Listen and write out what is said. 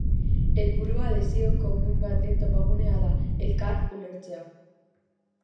Helburua desio komun baten topagunea da, elkar ulertzea.